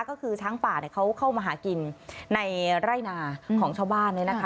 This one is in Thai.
ก็คือช้างป่าเขาเข้ามาหากินในไร่นาของชาวบ้านเนี่ยนะคะ